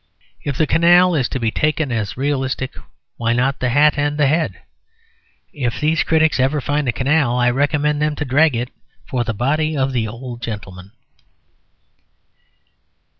If the canal is to be taken as realistic, why not the hat and the head? If these critics ever find the canal I recommend them to drag it for the body of the old gentleman.